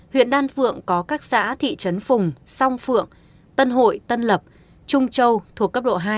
huyện đan phượng có các xã thị trấn phùng song phượng tân hội tân lập trung châu thuộc cấp độ hai